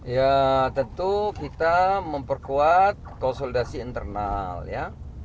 ya tentu kita memperkuat konsolidasi internal ya